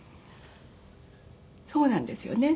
そうなんですよね。